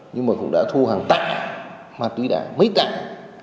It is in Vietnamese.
nhưng mà cũng đã thu hàng tặng ma túy đá mấy tặng